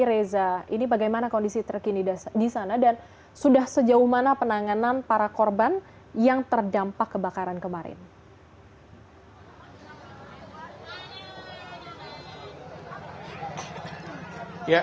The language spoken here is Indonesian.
reza ini bagaimana kondisi terkini di sana dan sudah sejauh mana penanganan para korban yang terdampak kebakaran kemarin